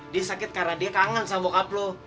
dia sakit karena dia kangen sama bokap lo